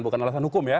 bukan alasan hukum ya